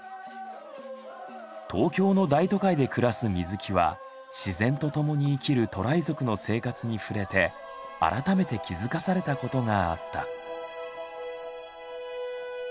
東京の大都会で暮らす水木は自然と共に生きるトライ族の生活に触れて改めて気付かされたことがあった。